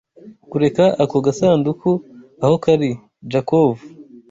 Kureka ako gasanduku aho kari. (jakov)